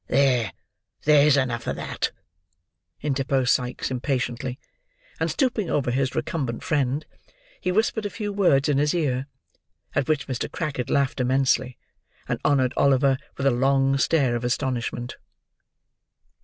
"There—there's enough of that," interposed Sikes, impatiently; and stooping over his recumbant friend, he whispered a few words in his ear: at which Mr. Crackit laughed immensely, and honoured Oliver with a long stare of astonishment.